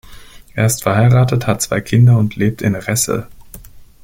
Er ist verheiratet, hat zwei Kinder und lebt in Resse.